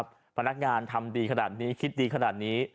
คือความการมีน้ำใจ